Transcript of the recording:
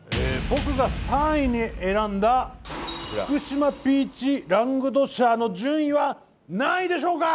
僕が３位に選んだ福島ピーチラングドシャの順位は何位でしょうか？